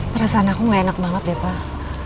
perasaan aku gak enak banget deh pak